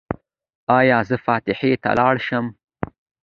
ایا زه فاتحې ته لاړ شم؟